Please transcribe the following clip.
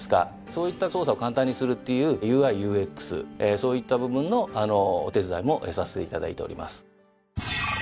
そういった操作を簡単にするっていうＵＩＵＸそういった部分のお手伝いもさせていただいております。